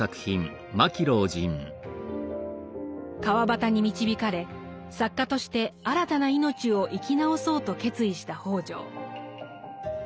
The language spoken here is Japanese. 川端に導かれ作家として新たな命を生き直そうと決意した北條。